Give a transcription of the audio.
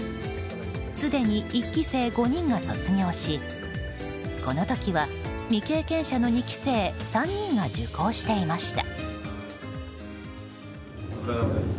すでに１期生５人が卒業しこの時は未経験者の２期生３人が受講していました。